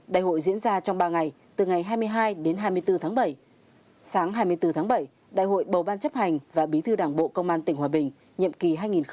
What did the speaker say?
đại hội diễn ra trong ba ngày từ ngày hai mươi hai đến hai mươi bốn tháng bảy sáng hai mươi bốn tháng bảy đại hội bầu ban chấp hành và bí thư đảng bộ công an tỉnh hòa bình nhiệm kỳ hai nghìn hai mươi hai nghìn hai mươi năm